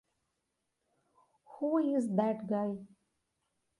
Who is that guy?